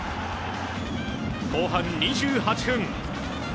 後半２８分。